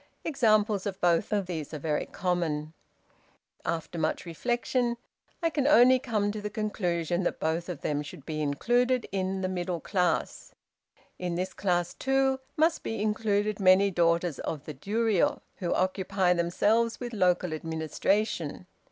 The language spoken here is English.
Examples of both of these are very common. After much reflection, I can only come to the conclusion that both of them should be included in the middle class. In this class, too, must be included many daughters of the Duriô, who occupy themselves with local administration.